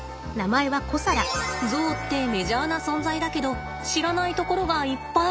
ゾウってメジャーな存在だけど知らないところがいっぱい。